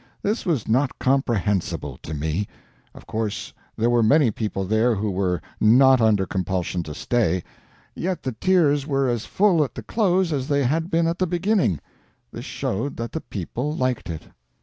This was not comprehensible to me. Of course, there were many people there who were not under compulsion to stay; yet the tiers were as full at the close as they had been at the beginning. This showed that the people liked it.